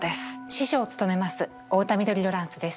司書を務めます太田緑ロランスです。